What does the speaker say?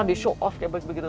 di show off begitu